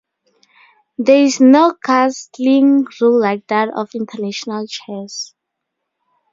There is no castling rule like that of international chess.